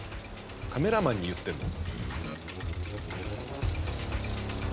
カメラマンに言ってるの？